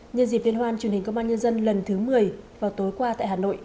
nhân dịp liên hoan truyền hình công an nhân dân lần thứ một mươi vào tối qua tại hà nội